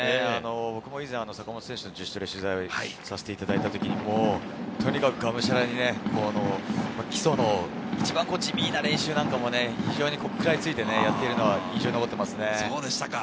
僕も以前、坂本選手の自主トレを取材させていただいたとき、とにかくがむしゃらに一番地味な練習なんかも食らいついてやっているのが印象に残っています。